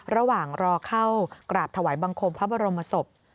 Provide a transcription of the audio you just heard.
ระหว่างรอเข้ากราบถวายบังคมพระบรมศพ